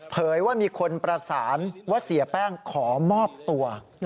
ว่ามีคนประสานว่าเสียแป้งขอมอบตัว